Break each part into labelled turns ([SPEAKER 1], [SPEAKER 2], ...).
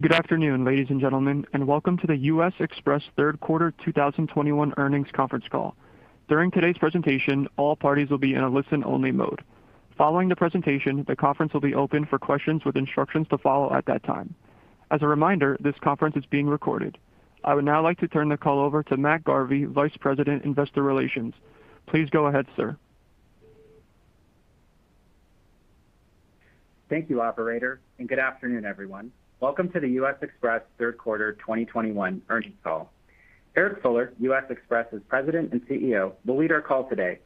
[SPEAKER 1] Good afternoon, ladies and gentlemen, and welcome to the U.S. Xpress third quarter 2021 earnings conference call. During today's presentation, all parties will be in a listen-only mode. Following the presentation, the conference will be open for questions with instructions to follow at that time. As a reminder, this conference is being recorded. I would now like to turn the call over to Matt Garvey, Vice President, Investor Relations. Please go ahead, sir.
[SPEAKER 2] Thank you, operator, good afternoon, everyone. Welcome to the U.S. Xpress third quarter 2021 earnings call. Eric Fuller, U.S. Xpress's President and CEO, will lead our call today,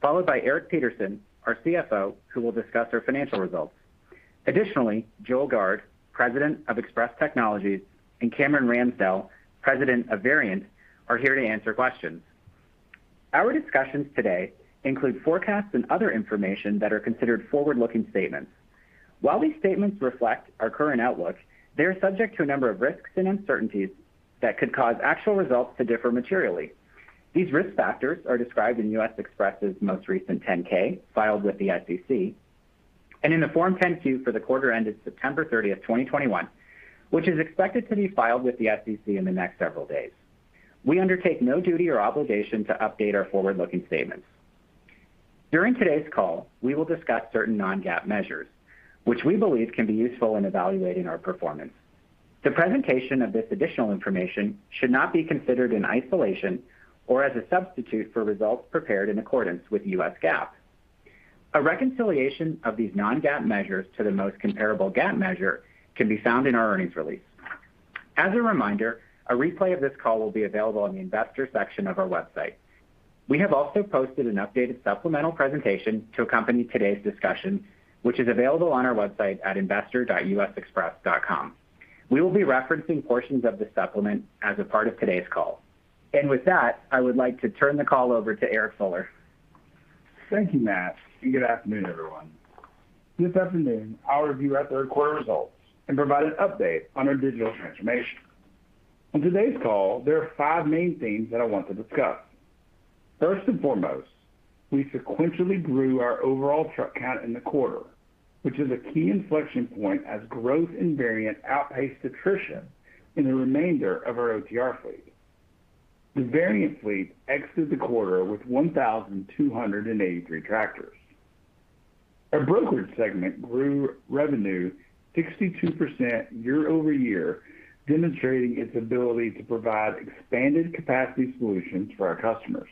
[SPEAKER 2] followed by Eric Peterson, our CFO, who will discuss our financial results. Additionally, Joel Gard, President of Xpress Technologies, and Cameron Ramsdell, President of Variant, are here to answer questions. Our discussions today include forecasts and other information that are considered forward-looking statements. While these statements reflect our current outlook, they are subject to a number of risks and uncertainties that could cause actual results to differ materially. These risk factors are described in U.S. Xpress's most recent 10-K filed with the SEC, and in the Form 10-Q for the quarter ended September 30, 2021, which is expected to be filed with the SEC in the next several days. We undertake no duty or obligation to update our forward-looking statements. During today's call, we will discuss certain non-GAAP measures, which we believe can be useful in evaluating our performance. The presentation of this additional information should not be considered in isolation or as a substitute for results prepared in accordance with the U.S. GAAP. A reconciliation of these non-GAAP measures to the most comparable GAAP measure can be found in our earnings release. As a reminder, a replay of this call will be available on the investor section of our website. We have also posted an updated supplemental presentation to accompany today's discussion, which is available on our website at investor.usxpress.com. We will be referencing portions of the supplement as a part of today's call. With that, I would like to turn the call over to Eric Fuller.
[SPEAKER 3] Thank you, Matt, and good afternoon, everyone. This afternoon, I will review our third quarter results and provide an update on our digital transformation. On today's call, there are five main things that I want to discuss. First and foremost, we sequentially grew our overall truck count in the quarter, which is a key inflection point as growth in Variant outpaced attrition in the remainder of our OTR fleet. The Variant fleet exited the quarter with 1,283 tractors. Our brokerage segment grew revenue 62% year-over-year, demonstrating its ability to provide expanded capacity solutions for our customers.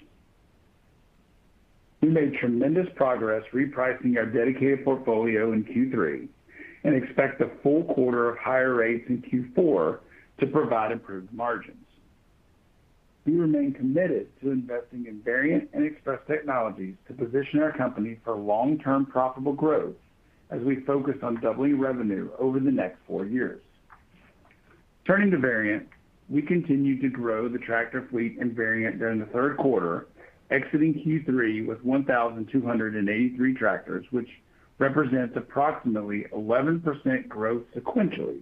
[SPEAKER 3] We made tremendous progress repricing our Dedicated portfolio in Q3 and expect a full quarter of higher rates in Q4 to provide improved margins. We remain committed to investing in Variant and Xpress Technologies to position our company for long-term profitable growth as we focus on doubling revenue over the next four years. Turning to Variant, we continued to grow the tractor fleet in Variant during the third quarter, exiting Q3 with 1,283 tractors, which represents approximately 11% growth sequentially,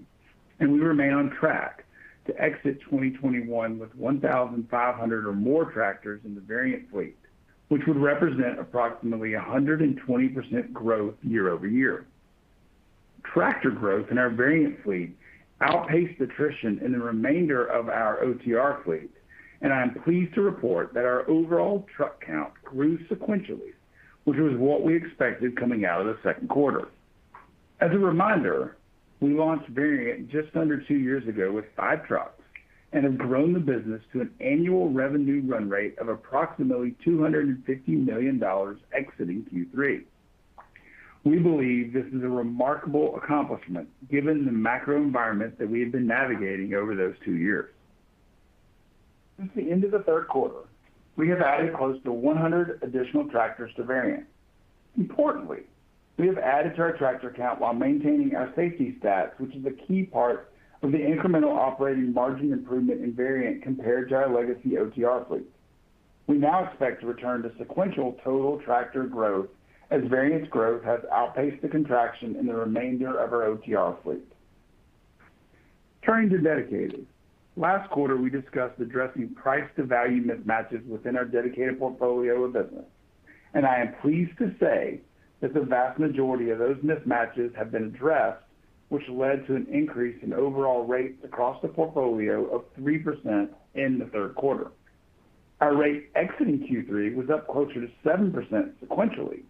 [SPEAKER 3] and we remain on track to exit 2021 with 1,500 or more tractors in the Variant fleet, which would represent approximately 120% growth year-over-year. Tractor growth in our Variant fleet outpaced attrition in the remainder of our OTR fleet, and I am pleased to report that our overall truck count grew sequentially, which was what we expected coming out of the second quarter. As a reminder, we launched Variant just under two years ago with five trucks and have grown the business to an annual revenue run rate of approximately $250 million exiting Q3. We believe this is a remarkable accomplishment given the macro environment that we have been navigating over those two years. Since the end of the third quarter, we have added close to 100 additional tractors to Variant. Importantly, we have added to our tractor count while maintaining our safety stats, which is a key part of the incremental operating margin improvement in Variant compared to our legacy OTR fleet. We now expect to return to sequential total tractor growth as Variant's growth has outpaced the contraction in the remainder of our OTR fleet. Turning to Dedicated. Last quarter, we discussed addressing price-to-value mismatches within our Dedicated portfolio of business, and I am pleased to say that the vast majority of those mismatches have been addressed, which led to an increase in overall rates across the portfolio of 3% in the third quarter. Our rate exiting Q3 was up closer to 7% sequentially,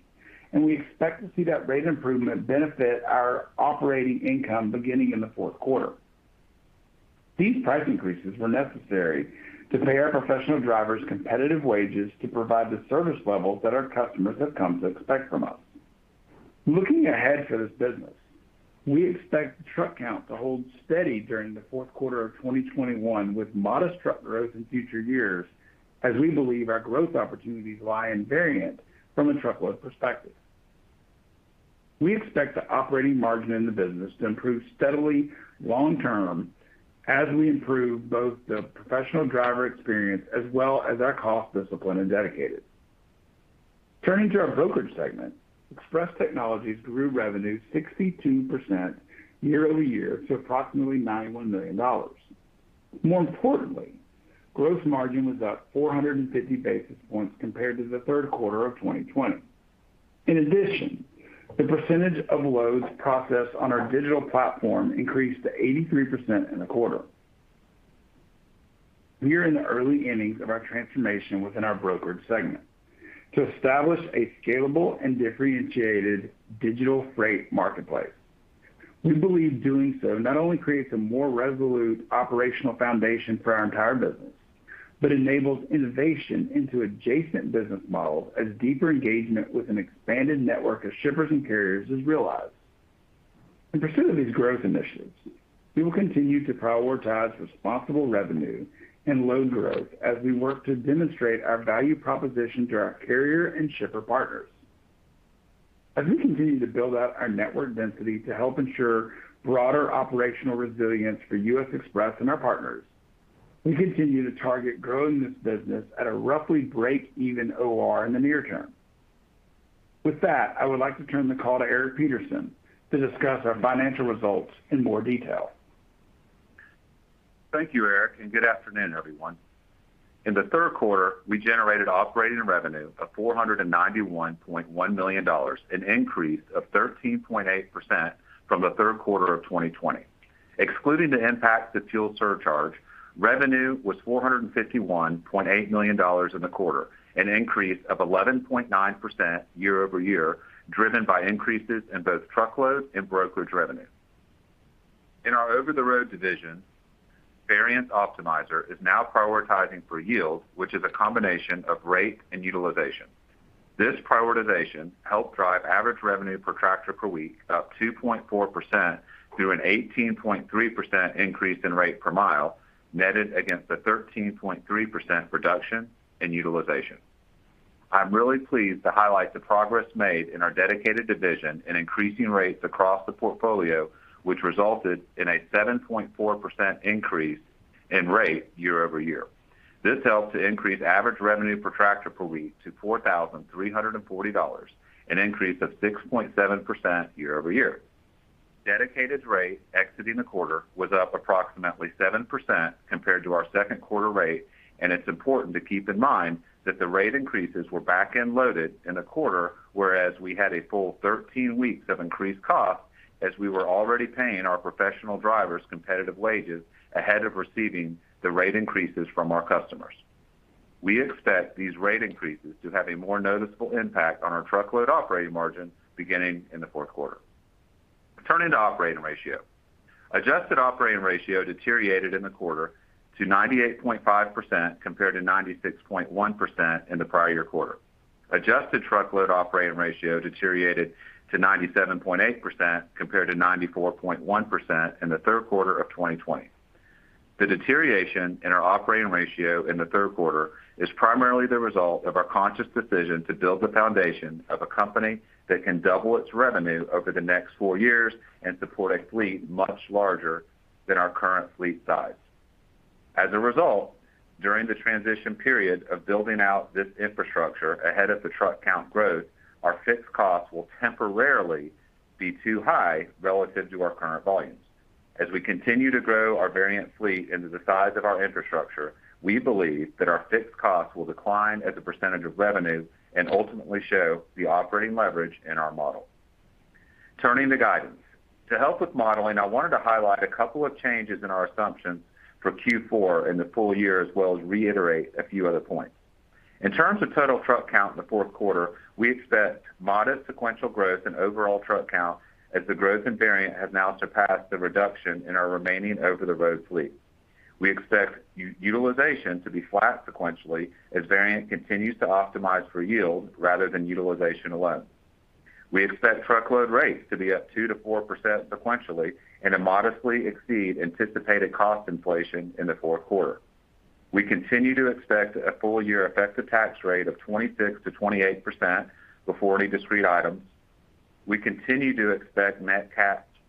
[SPEAKER 3] and we expect to see that rate improvement benefit our operating income beginning in the fourth quarter. These price increases were necessary to pay our professional drivers competitive wages to provide the service levels that our customers have come to expect from us. Looking ahead for this business, we expect the truck count to hold steady during the fourth quarter of 2021 with modest truck growth in future years as we believe our growth opportunities lie in Variant from a truckload perspective. We expect the operating margin in the business to improve steadily long term as we improve both the professional driver experience as well as our cost discipline in Dedicated. Turning to our brokerage segment. Xpress Technologies grew revenue 62% year-over-year to approximately $91 million. More importantly, gross margin was up 450 basis points compared to the third quarter of 2020. In addition, the percentage of loads processed on our digital platform increased to 83% in the quarter. We are in the early innings of our transformation within our brokerage segment to establish a scalable and differentiated digital freight marketplace. We believe doing so not only creates a more resolute operational foundation for our entire business, but enables innovation into adjacent business models as deeper engagement with an expanded network of shippers and carriers is realized. In pursuit of these growth initiatives, we will continue to prioritize responsible revenue and load growth as we work to demonstrate our value proposition to our carrier and shipper partners. As we continue to build out our network density to help ensure broader operational resilience for U.S. Xpress and our partners, we continue to target growing this business at a roughly break-even OR in the near term. With that, I would like to turn the call to Eric Peterson to discuss our financial results in more detail.
[SPEAKER 4] Thank you, Eric. Good afternoon, everyone. In the third quarter, we generated operating revenue of $491.1 million, an increase of 13.8% from the third quarter of 2020. Excluding the impact of the fuel surcharge, revenue was $451.8 million in the quarter, an increase of 11.9% year-over-year, driven by increases in both truckload and brokerage revenue. In our Over-the-Road division, Variant Optimizer is now prioritizing for yield, which is a combination of rate and utilization. This prioritization helped drive average revenue per tractor per week up 2.4% through an 18.3% increase in rate per mile, netted against a 13.3% reduction in utilization. I'm really pleased to highlight the progress made in our Dedicated division in increasing rates across the portfolio, which resulted in a 7.4% increase in rate year-over-year. This helped to increase average revenue per tractor per week to $4,340, an increase of 6.7% year-over-year. Dedicated rate exiting the quarter was up approximately 7% compared to our second quarter rate. It's important to keep in mind that the rate increases were backend loaded in the quarter, whereas we had a full 13 weeks of increased cost as we were already paying our professional drivers competitive wages ahead of receiving the rate increases from our customers. We expect these rate increases to have a more noticeable impact on our truckload operating margin beginning in the fourth quarter. Turning to operating ratio. Adjusted operating ratio deteriorated in the quarter to 98.5% compared to 96.1% in the prior year quarter. Adjusted truckload operating ratio deteriorated to 97.8% compared to 94.1% in the third quarter of 2020. The deterioration in our operating ratio in the third quarter is primarily the result of our conscious decision to build the foundation of a company that can double its revenue over the next four years and support a fleet much larger than our current fleet size. As a result, during the transition period of building out this infrastructure ahead of the truck count growth, our fixed costs will temporarily be too high relative to our current volumes. As we continue to grow our Variant fleet into the size of our infrastructure, we believe that our fixed costs will decline as a percentage of revenue and ultimately show the operating leverage in our model. Turning to guidance. To help with modeling, I wanted to highlight a couple of changes in our assumptions for Q4 and the full year, as well as reiterate a few other points. In terms of total truck count in the fourth quarter, we expect modest sequential growth in overall truck count as the growth in Variant has now surpassed the reduction in our remaining Over-the-Road fleet. We expect utilization to be flat sequentially as Variant continues to optimize for yield rather than utilization alone. We expect truckload rates to be up 2%-4% sequentially and to modestly exceed anticipated cost inflation in the fourth quarter. We continue to expect a full year effective tax rate of 26%-28% before any discrete items. We continue to expect net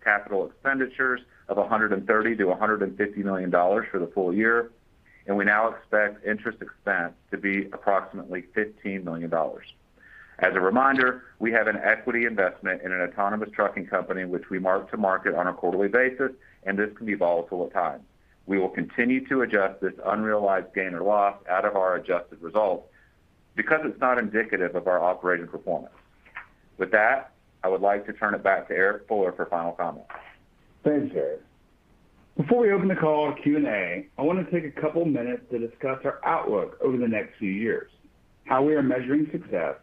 [SPEAKER 4] capital expenditures of $130 million-$150 million for the full year, and we now expect interest expense to be approximately $15 million. As a reminder, we have an equity investment in an autonomous trucking company, which we mark to market on a quarterly basis, and this can be volatile at times. We will continue to adjust this unrealized gain or loss out of our adjusted results because it's not indicative of our operating performance. With that, I would like to turn it back to Eric Fuller for final comments.
[SPEAKER 3] Thanks, Eric. Before we open the call to Q&A, I want to take two minutes to discuss our outlook over the next few years, how we are measuring success,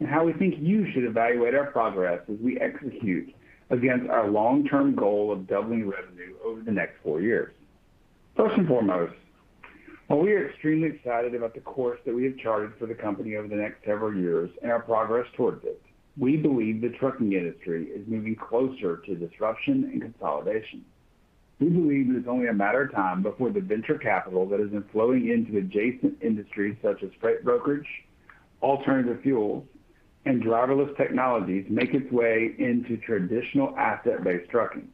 [SPEAKER 3] and how we think you should evaluate our progress as we execute against our long-term goal of doubling revenue over the next four years. First and foremost, while we are extremely excited about the course that we have charted for the company over the next several years and our progress towards it, we believe the trucking industry is moving closer to disruption and consolidation. We believe it is only a matter of time before the venture capital that has been flowing into adjacent industries such as freight brokerage, alternative fuels, and driverless technologies make its way into traditional asset-based trucking.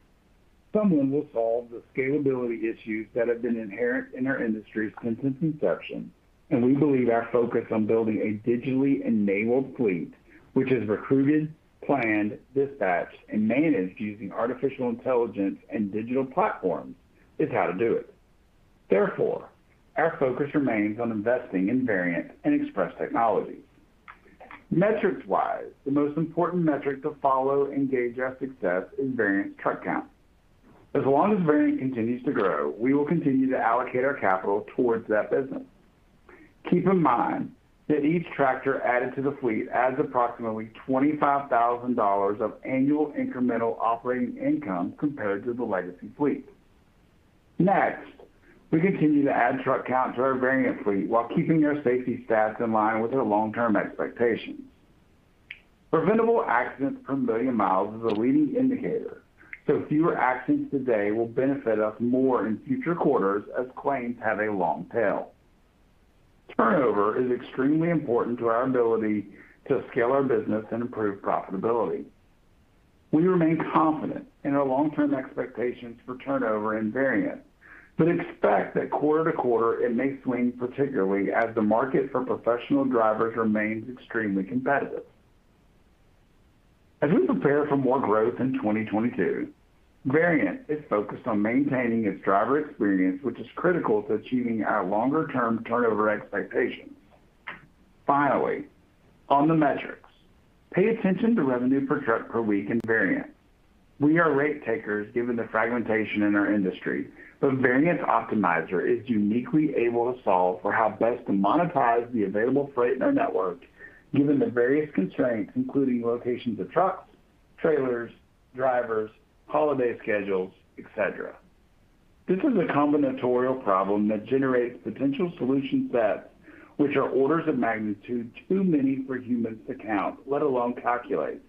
[SPEAKER 3] Someone will solve the scalability issues that have been inherent in our industry since its inception, and we believe our focus on building a digitally enabled fleet, which is recruited, planned, dispatched, and managed using artificial intelligence and digital platforms, is how to do it. Therefore, our focus remains on investing in Variant and Xpress Technologies. Metrics-wise, the most important metric to follow and gauge our success is Variant truck count. As long as Variant continues to grow, we will continue to allocate our capital towards that business. Keep in mind that each tractor added to the fleet adds approximately $25,000 of annual incremental operating income compared to the legacy fleet. Next, we continue to add truck count to our Variant fleet while keeping our safety stats in line with our long-term expectations. Preventable accidents per one million miles is a leading indicator, fewer accidents today will benefit us more in future quarters as claims have a long tail. Turnover is extremely important to our ability to scale our business and improve profitability. We remain confident in our long-term expectations for turnover in Variant, expect that quarter to quarter it may swing particularly as the market for professional drivers remains extremely competitive. As we prepare for more growth in 2022, Variant is focused on maintaining its driver experience, which is critical to achieving our longer-term turnover expectations. Finally, on the metrics, pay attention to revenue per truck per week in Variant. We are rate takers given the fragmentation in our industry. Variant's Optimizer is uniquely able to solve for how best to monetize the available freight in our network given the various constraints, including locations of trucks, trailers, drivers, holiday schedules, et cetera. This is a combinatorial problem that generates potential solution sets, which are orders of magnitude too many for humans to count, let alone calculate,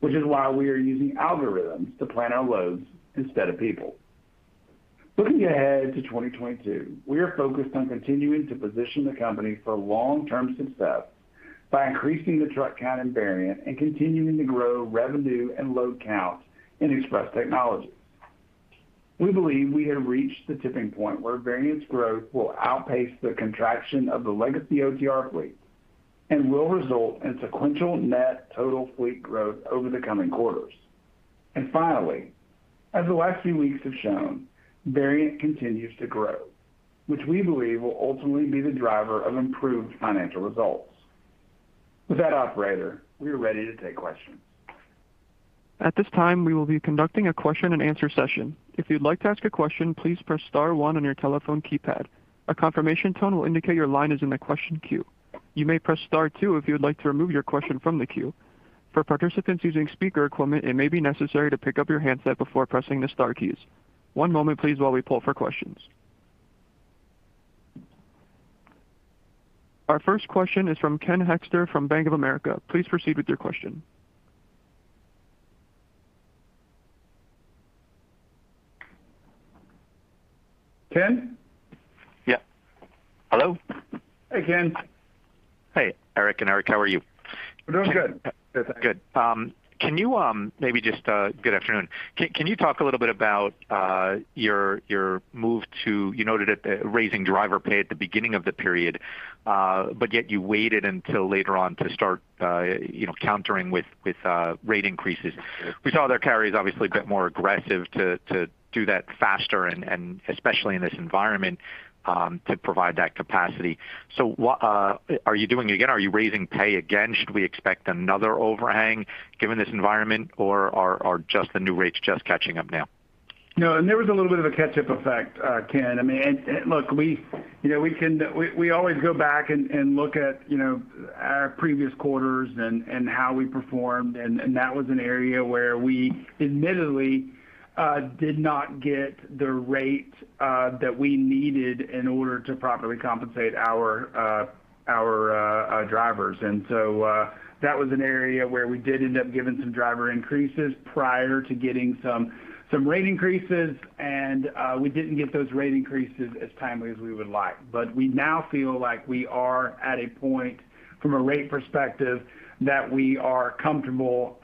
[SPEAKER 3] which is why we are using algorithms to plan our loads instead of people. Looking ahead to 2022, we are focused on continuing to position the company for long-term success by increasing the truck count in Variant and continuing to grow revenue and load count in Xpress Technologies. We believe we have reached the tipping point where Variant's growth will outpace the contraction of the legacy OTR fleet and will result in sequential net total fleet growth over the coming quarters. Finally, as the last few weeks have shown, Variant continues to grow, which we believe will ultimately be the driver of improved financial results. Operator, we are ready to take questions.
[SPEAKER 1] Our first question is from Ken Hoexter from Bank of America. Please proceed with your question.
[SPEAKER 3] Ken?
[SPEAKER 5] Yeah. Hello?
[SPEAKER 3] Hey, Ken.
[SPEAKER 5] Hey, Eric and Eric how are you?
[SPEAKER 3] We're doing good.
[SPEAKER 5] Good afternoon. Can you talk a little bit about your move to, you noted it that raising driver pay at the beginning of the period, but yet you waited until later on to start countering with rate increases?
[SPEAKER 3] Yes.
[SPEAKER 5] We saw their carriers obviously a bit more aggressive to do that faster and especially in this environment, to provide that capacity. Are you doing it again? Are you raising pay again? Should we expect another overhang given this environment? Are just the new rates just catching up now?
[SPEAKER 3] No. There was a little bit of a catch-up effect, Ken. Look, we always go back and look at our previous quarters and how we performed and that was an area where we admittedly did not get the rate that we needed in order to properly compensate our drivers. That was an area where we did end up giving some driver increases prior to getting some rate increases. We didn't get those rate increases as timely as we would like. We now feel like we are at a point from a rate perspective that we are comfortable.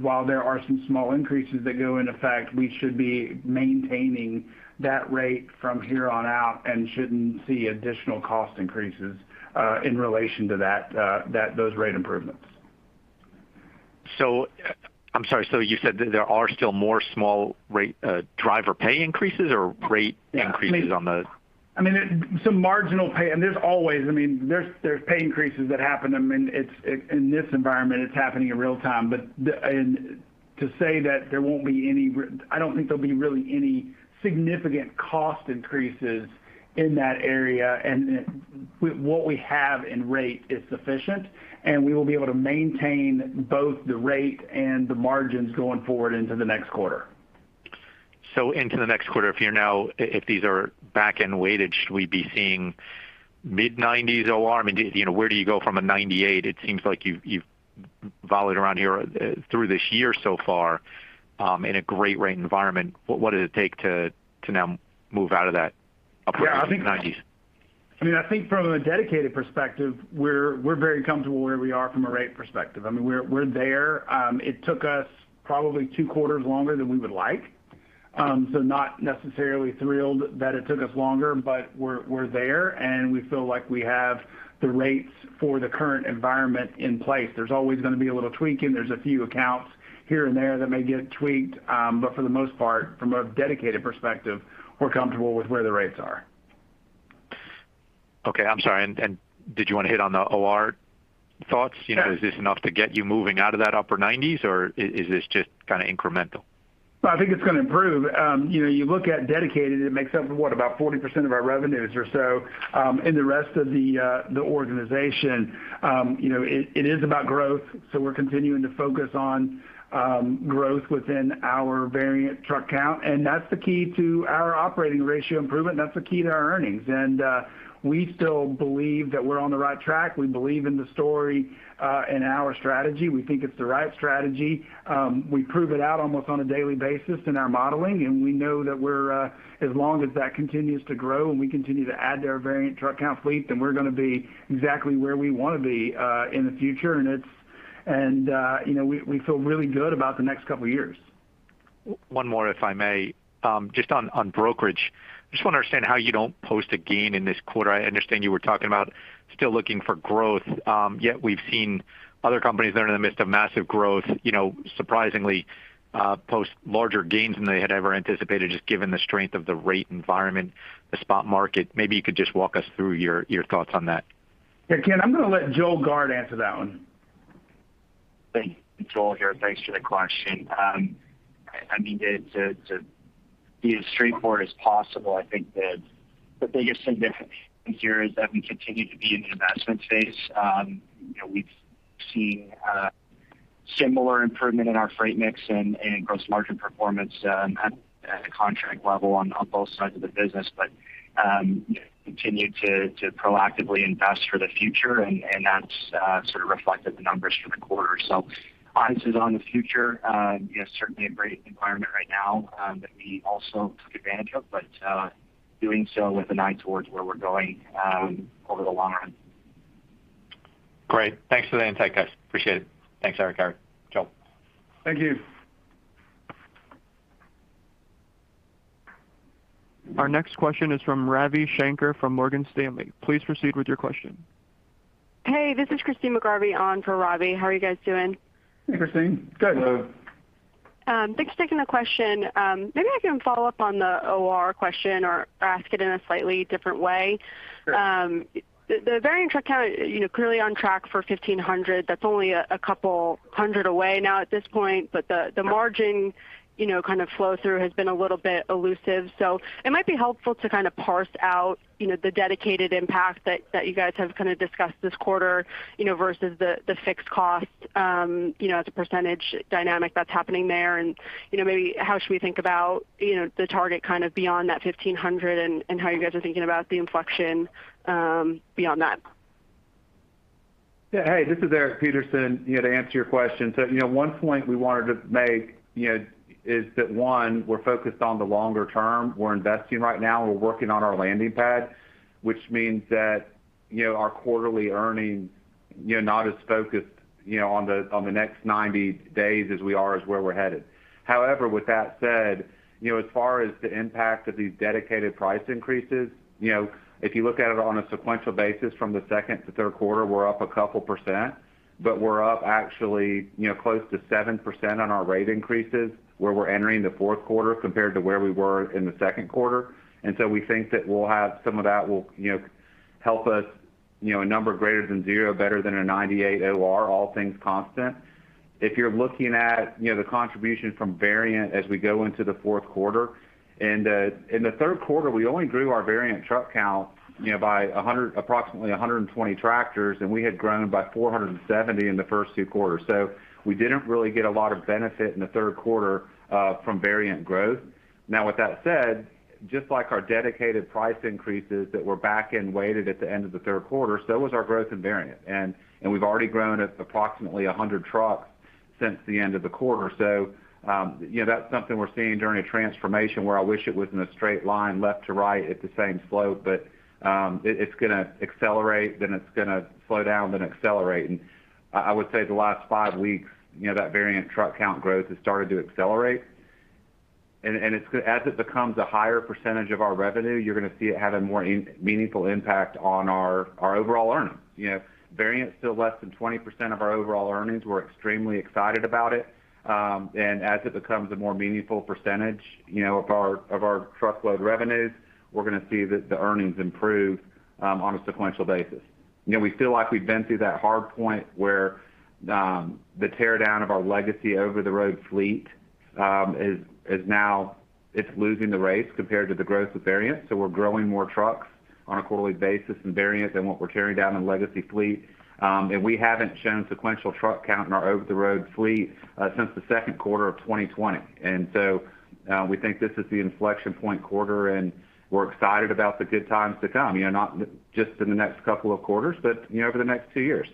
[SPEAKER 3] While there are some small increases that go into effect, we should be maintaining that rate from here on out and shouldn't see additional cost increases in relation to those rate improvements.
[SPEAKER 5] I'm sorry. You said that there are still more small driver pay increases or rate increases on the-?
[SPEAKER 3] Some marginal pay, and there's always pay increases that happen. In this environment, it's happening in real time. To say that there won't be any, I don't think there'll be really any significant cost increases in that area. What we have in rate is sufficient, and we will be able to maintain both the rate and the margins going forward into the next quarter.
[SPEAKER 5] Into the next quarter, if these are backend weighted, should we be seeing mid-90s OR? Where do you go from a 98? It seems like you've volleyed around here through this year so far in a great rate environment. What does it take to now move out of that upper 90s?
[SPEAKER 3] I think from a Dedicated perspective, we're very comfortable where we are from a rate perspective. We're there. It took us probably two quarters longer than we would like. Not necessarily thrilled that it took us longer, but we're there and we feel like we have the rates for the current environment in place. There's always going to be a little tweaking. There's a few accounts here and there that may get tweaked. For the most part, from a Dedicated perspective, we're comfortable with where the rates are.
[SPEAKER 5] Okay. I'm sorry, did you want to hit on the OR thoughts?
[SPEAKER 3] Yeah.
[SPEAKER 5] Is this enough to get you moving out of that upper 90s, or is this just incremental?
[SPEAKER 3] No, I think it's going to improve. You look at Dedicated, it makes up what, about 40% of our revenues or so, in the rest of the organization. It is about growth, so we're continuing to focus on growth within our Variant truck count, and that's the key to our operating ratio improvement. That's the key to our earnings. We still believe that we're on the right track. We believe in the story, in our strategy. We think it's the right strategy. We prove it out almost on a daily basis in our modeling, and we know that as long as that continues to grow and we continue to add to our Variant truck count fleet, then we're going to be exactly where we want to be, in the future. We feel really good about the next couple of years.
[SPEAKER 5] One more, if I may. Just on brokerage. Just want to understand how you don't post a gain in this quarter. I understand you were talking about still looking for growth. We've seen other companies that are in the midst of massive growth, surprisingly post larger gains than they had ever anticipated, just given the strength of the rate environment, the spot market. Maybe you could just walk us through your thoughts on that.
[SPEAKER 3] Yeah, Ken, I'm going to let Joel Gard answer that one.
[SPEAKER 6] Thanks. Joel here. Thanks for the question. To be as straightforward as possible, I think the biggest thing here is that we continue to be in the investment phase. We've seen a similar improvement in our freight mix and gross margin performance at a contract level on both sides of the business. Continue to proactively invest for the future, and that reflected the numbers for the quarter. Eyes is on the future. Certainly a great environment right now, that we also took advantage of, but doing so with an eye towards where we're going over the long run.
[SPEAKER 5] Great. Thanks for the insight, guys. Appreciate it. Thanks, Eric, Eric, Joel.
[SPEAKER 3] Thank you.
[SPEAKER 1] Our next question is from Ravi Shanker from Morgan Stanley. Please proceed with your question.
[SPEAKER 7] Hey, this is Christyne McGarvey on for Ravi. How are you guys doing?
[SPEAKER 3] Hey, Christyne. Good.
[SPEAKER 4] Hello.
[SPEAKER 7] Thanks for taking the question. Maybe I can follow up on the OR question or ask it in a slightly different way.
[SPEAKER 3] Sure.
[SPEAKER 7] The Variant truck count, clearly on track for 1,500. That's only 200 away now at this point.
[SPEAKER 3] Yeah
[SPEAKER 7] The margin flow through has been a little bit elusive. It might be helpful to parse out the Dedicated impact that you guys have discussed this quarter versus the fixed cost as a percentage dynamic that's happening there. Maybe how should we think about the target beyond that 1,500 and how you guys are thinking about the inflection beyond that?
[SPEAKER 4] Hey, this is Eric Peterson. To answer your question. One point we wanted to make is that one, we're focused on the longer term. We're investing right now and we're working on our landing pad, which means that our quarterly earnings not as focused on the next 90 days as we are as where we're headed. However, with that said, as far as the impact of these Dedicated price increases, if you look at it on a sequential basis from the second to third quarter, we're up a couple percent, but we're up actually close to 7% on our rate increases where we're entering the fourth quarter compared to where we were in the second quarter. We think that some of that will help us a number greater than zero, better than a 98 OR all things constant. If you're looking at the contribution from Variant as we go into the fourth quarter, in the third quarter, we only grew our Variant truck count by approximately 120 tractors, we had grown by 470 in the first two quarters. We didn't really get a lot of benefit in the third quarter from Variant growth. With that said, just like our Dedicated price increases that were back and weighted at the end of the third quarter, so was our growth in Variant. We've already grown at approximately 100 trucks since the end of the quarter. That's something we're seeing during a transformation where I wish it was in a straight line left to right at the same slope, but it's going to accelerate, then it's going to slow down, then accelerate. I would say the last five weeks, that Variant truck count growth has started to accelerate. As it becomes a higher percentage of our revenue, you're going to see it have a more meaningful impact on our overall earnings. Variant is still less than 20% of our overall earnings. We're extremely excited about it. As it becomes a more meaningful percentage of our truckload revenues, we're going to see the earnings improve on a sequential basis. We feel like we've been through that hard point where the tear down of our legacy Over-the-Road fleet is now losing the race compared to the growth of Variant. We're growing more trucks on a quarterly basis in Variant than what we're tearing down in legacy fleet. We haven't shown sequential truck count in our Over-the-Road fleet since the second quarter of 2020. We think this is the inflection point quarter, and we're excited about the good times to come. Not just in the next couple of quarters, but over the next two years.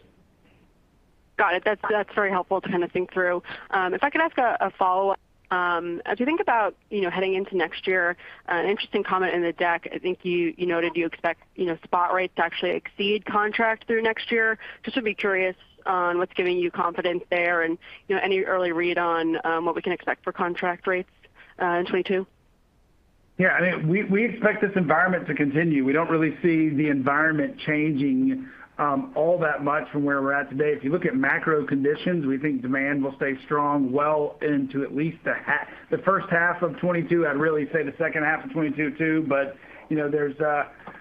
[SPEAKER 7] Got it. That's very helpful to think through. If I could ask a follow-up. As you think about heading into next year, an interesting comment in the deck, I think you noted you expect spot rates to actually exceed contract through next year. Just would be curious on what's giving you confidence there and any early read on what we can expect for contract rates in 2022?
[SPEAKER 3] We expect this environment to continue. We don't really see the environment changing all that much from where we're at today. If you look at macro conditions, we think demand will stay strong well into at least the first half of 2022. I'd really say the second half of 2022 too,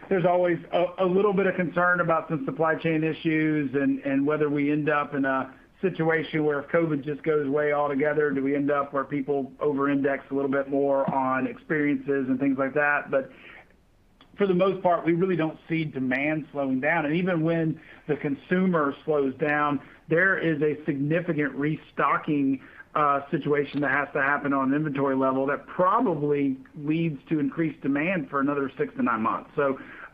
[SPEAKER 3] there's always a little bit of concern about some supply chain issues and whether we end up in a situation where if COVID just goes away altogether, do we end up where people over-index a little bit more on experiences and things like that? For the most part, we really don't see demand slowing down. Even when the consumer slows down, there is a significant restocking situation that has to happen on an inventory level that probably leads to increased demand for another six to nine months.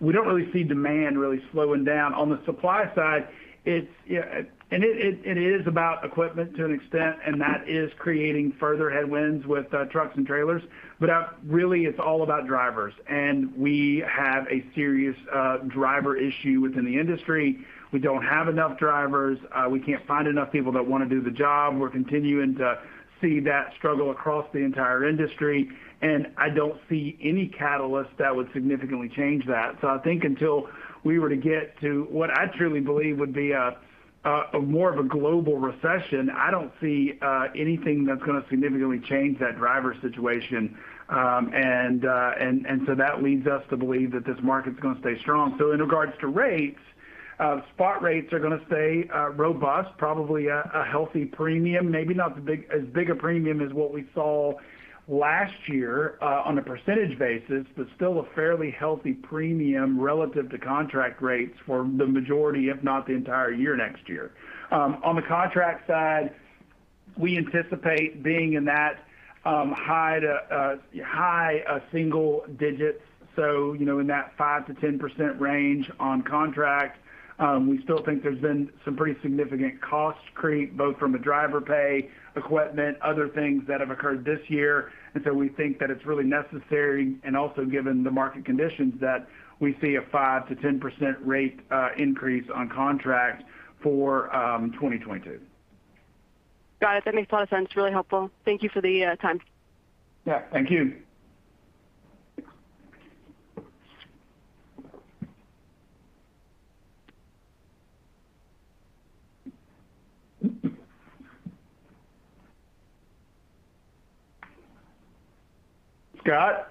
[SPEAKER 3] We don't really see demand really slowing down. On the supply side, and it is about equipment to an extent, and that is creating further headwinds with trucks and trailers, but really it's all about drivers. We have a serious driver issue within the industry. We don't have enough drivers. We can't find enough people that want to do the job. We're continuing to see that struggle across the entire industry, and I don't see any catalyst that would significantly change that. I think until we were to get to, what I truly believe would be more of a global recession, I don't see anything that's going to significantly change that driver situation. That leads us to believe that this market's going to stay strong. In regards to rates, spot rates are going to stay robust, probably a healthy premium, maybe not as big a premium as what we saw last year on a percentage basis, but still a fairly healthy premium relative to contract rates for the majority, if not the entire year next year. On the contract side, we anticipate being in that high single digits, so in that 5%-10% range on contract. We still think there's been some pretty significant cost creep, both from a driver pay, equipment, other things that have occurred this year. We think that it's really necessary, and also given the market conditions, that we see a 5%-10% rate increase on contracts for 2022.
[SPEAKER 7] Got it. That makes a lot of sense. Really helpful. Thank you for the time.
[SPEAKER 3] Yeah. Thank you. Scott?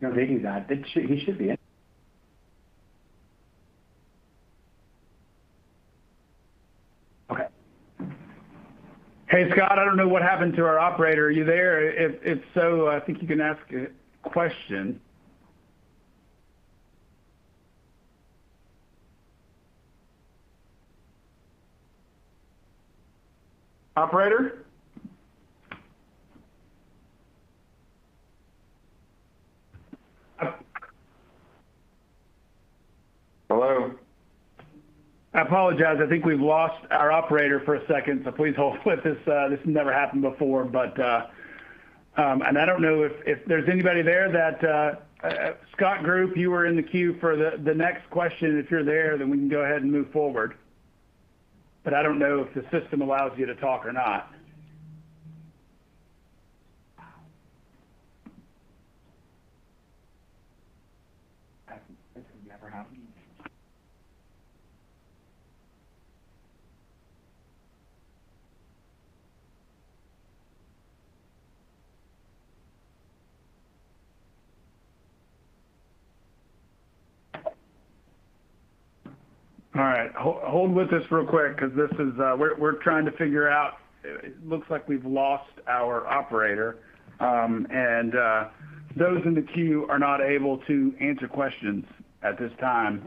[SPEAKER 3] No, I think he's out. He should be in. Okay. Hey, Scott, I don't know what happened to our operator. Are you there? If so, I think you can ask a question. Operator?
[SPEAKER 4] Hello.
[SPEAKER 3] I apologize. I think we've lost our operator for a second, so please hold with this. This has never happened before. Scott Group, you were in the queue for the next question. If you're there, we can go ahead and move forward. I don't know if the system allows you to talk or not. This has never happened. All right. Hold with us real quick because we're trying to figure out. It looks like we've lost our operator. Those in the queue are not able to answer questions at this time.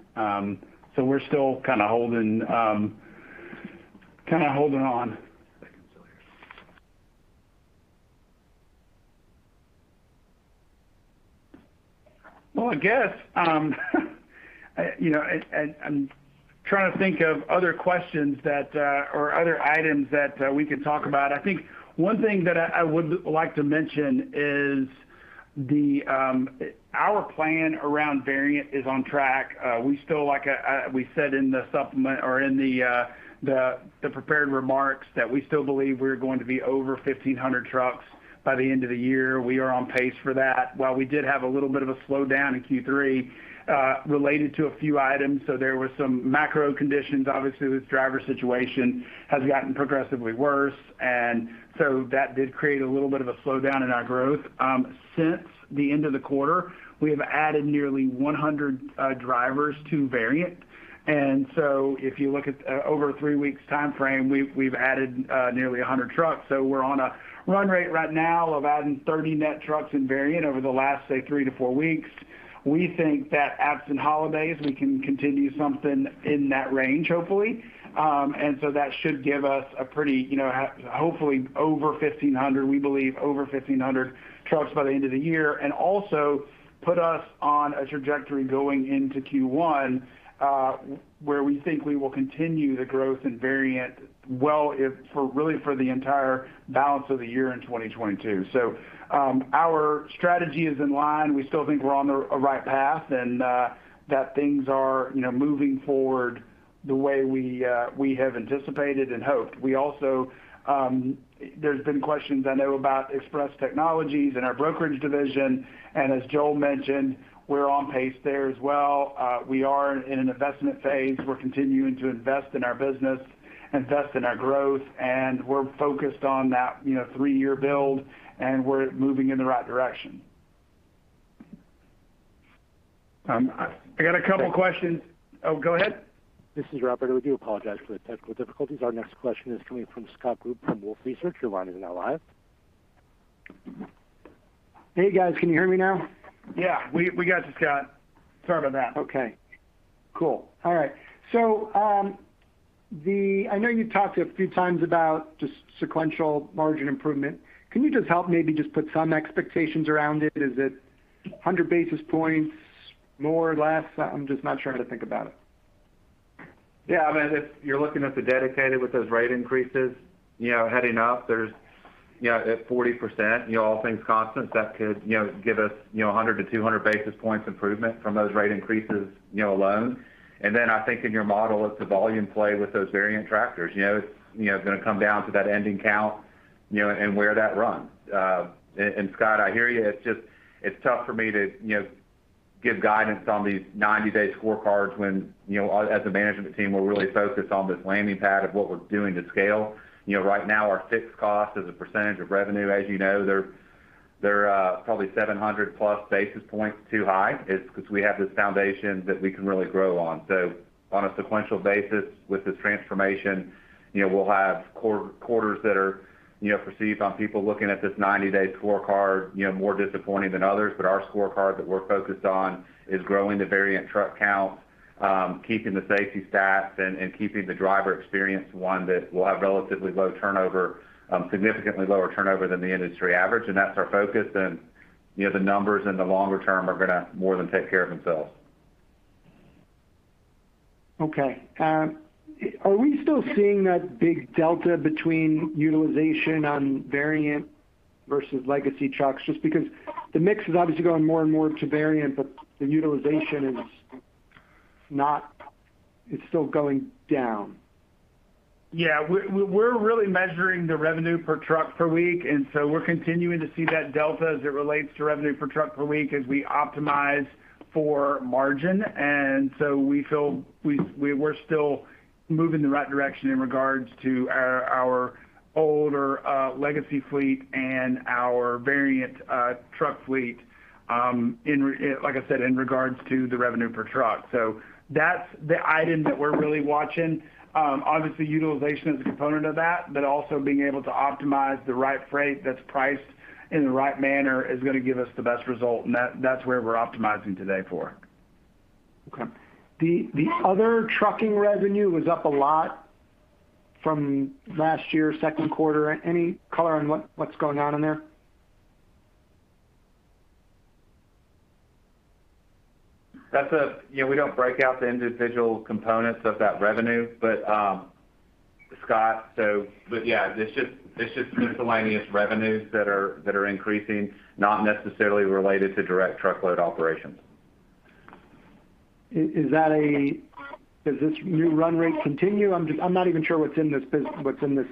[SPEAKER 3] We're still holding on. I guess I'm trying to think of other questions or other items that we could talk about. I think one thing that I would like to mention is our plan around Variant is on track. We still, like we said in the supplement or in the prepared remarks, that we still believe we're going to be over 1,500 trucks by the end of the year. We are on pace for that. While we did have a little bit of a slowdown in Q3 related to a few items, there were some macro conditions. Obviously, this driver situation has gotten progressively worse, that did create a little bit of a slowdown in our growth. Since the end of the quarter, we have added nearly 100 drivers to Variant. If you look at over a three weeks timeframe, we've added nearly 100 trucks. We're on a run rate right now of adding 30 net trucks in Variant over the last, say, three to four weeks. We think that absent holidays, we can continue something in that range, hopefully. That should give us a pretty, hopefully, over 1,500, we believe over 1,500 trucks by the end of the year. Also put us on a trajectory going into Q1, where we think we will continue the growth in Variant well, really for the entire balance of the year in 2022. Our strategy is in line. We still think we're on the right path and that things are moving forward the way we have anticipated and hoped. There's been questions I know about Xpress Technologies and our brokerage division, and as Joel mentioned, we're on pace there as well. We are in an investment phase. We're continuing to invest in our business, invest in our growth, and we're focused on that three-year build, and we're moving in the right direction.
[SPEAKER 8] I got a couple questions. Oh, go ahead.
[SPEAKER 1] This is Robert with you. Apologize for the technical difficulties. Our next question is coming from Scott Group from Wolfe Research. Your line is now live.
[SPEAKER 8] Hey, guys. Can you hear me now?
[SPEAKER 3] Yeah, we got you, Scott. Sorry about that.
[SPEAKER 8] Okay. Cool. All right. I know you talked a few times about just sequential margin improvement. Can you just help maybe just put some expectations around it? Is it 100 basis points, more, less? I'm just not sure how to think about it.
[SPEAKER 4] Yeah. If you're looking at the Dedicated with those rate increases heading up, there's at 40%, all things constant, that could give us 100-200 basis points improvement from those rate increases alone. I think in your model is the volume play with those Variant tractors. It's going to come down to that ending count and where that runs. Scott, I hear you. It's tough for me to give guidance on these 90-day scorecards when, as a management team, we're really focused on this landing pad of what we're doing to scale. Right now, our fixed cost as a percentage of revenue, as you know, they're probably 700+ basis points too high. It's because we have this foundation that we can really grow on. On a sequential basis with this transformation, we'll have quarters that are perceived on people looking at this 90-day scorecard more disappointing than others. Our scorecard that we're focused on is growing the Variant truck count, keeping the safety stats, and keeping the driver experience one that will have relatively low turnover, significantly lower turnover than the industry average. That's our focus. The numbers in the longer term are going to more than take care of themselves.
[SPEAKER 8] Okay. Are we still seeing that big delta between utilization on Variant versus legacy trucks? Just because the mix is obviously going more and more to Variant, but the utilization is still going down.
[SPEAKER 3] Yeah. We're really measuring the revenue per truck per week, and so we're continuing to see that delta as it relates to revenue per truck per week as we optimize for margin. We feel we're still moving in the right direction in regards to our older legacy fleet and our Variant truck fleet. Like I said, in regards to the revenue per truck. That's the item that we're really watching. Obviously, utilization is a component of that, but also being able to optimize the right freight that's priced in the right manner is going to give us the best result, and that's where we're optimizing today for.
[SPEAKER 8] Okay. The other trucking revenue was up a lot from last year, second quarter. Any color on what's going on in there?
[SPEAKER 4] We don't break out the individual components of that revenue. Scott, yeah, it's just miscellaneous revenues that are increasing, not necessarily related to direct truckload operations.
[SPEAKER 8] Does this new run rate continue? I'm not even sure what's in this